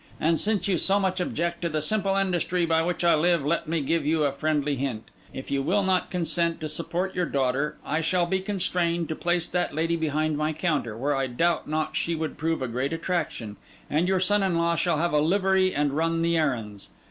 And since you so much object to the simple industry by which I live, let me give you a friendly hint. If you will not consent to support your daughter, I shall be constrained to place that lady behind my counter, where I doubt not she would prove a great attraction; and your son in law shall have a livery and run the errands.